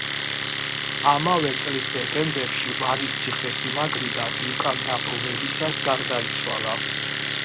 ამავე წლის დეკემბერში ვანის ციხესიმაგრიდან უკან დაბრუნებისას გარდაიცვალა.